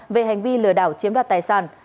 về hành vi lừa đảo chiếm đoạt tài sản